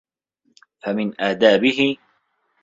فَمِنْ آدَابِهِ